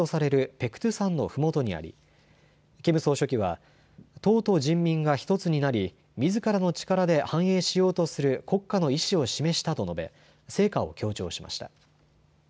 ペクトゥ山のふもとにありキム総書記は党と人民が１つになりみずからの力で繁栄しようとする国家の意志を示したと述べ成果を強調しました。